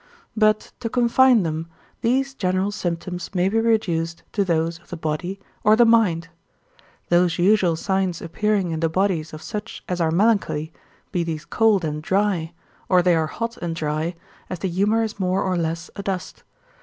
But to confine them, these general symptoms may be reduced to those of the body or the mind. Those usual signs appearing in the bodies of such as are melancholy, be these cold and dry, or they are hot and dry, as the humour is more or less adust.